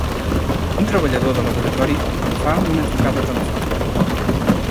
Un treballador de laboratori que fa una trucada telefònica.